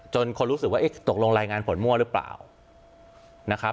คนรู้สึกว่าตกลงรายงานผลมั่วหรือเปล่านะครับ